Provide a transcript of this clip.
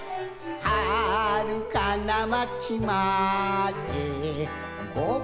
「はるかなまちまでぼくたちの」